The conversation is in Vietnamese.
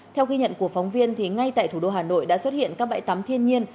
theo ghi nhận của phóng viên thì ngay tại thủ đô hà nội đã xuất hiện các bãi tắm thiên nhiên